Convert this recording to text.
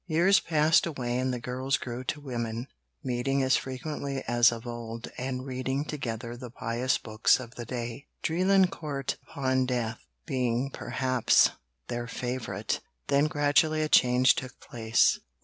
Years passed away and the girls grew to women, meeting as frequently as of old and reading together the pious books of the day, 'Drelincourt upon Death' being perhaps their favourite. Then gradually a change took place.